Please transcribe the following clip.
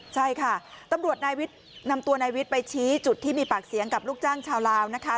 ใช่ค่ะตำรวจนายวิทย์นำตัวนายวิทย์ไปชี้จุดที่มีปากเสียงกับลูกจ้างชาวลาวนะคะ